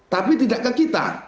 tapi tidak ke kita